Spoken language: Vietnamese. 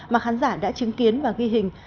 mà khán giả đã chứng kiến và ghi hình